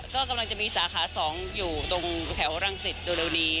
ก็กำลังจะมีสาขาสองอยู่ตรงแถวรังสิทธิ์โดยเร็วนี้